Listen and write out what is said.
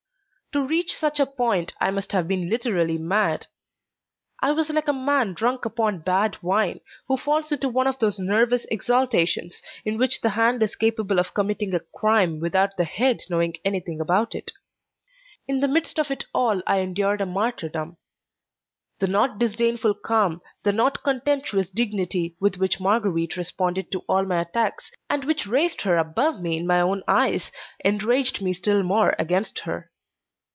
To reach such a point I must have been literally mad. I was like a man drunk upon bad wine, who falls into one of those nervous exaltations in which the hand is capable of committing a crime without the head knowing anything about it. In the midst of it all I endured a martyrdom. The not disdainful calm, the not contemptuous dignity with which Marguerite responded to all my attacks, and which raised her above me in my own eyes, enraged me still more against her.